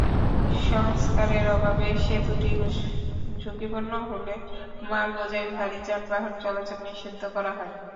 সংস্কারের অভাবে সেতুটি ঝুঁকিপূর্ণ হলে মালবোঝাই ভারী যানবাহন চলাচল নিষিদ্ধ করা হয়।